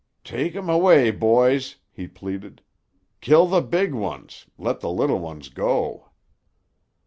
"Take 'em away, boys," he pleaded. "Kill the big ones, let the little ones go."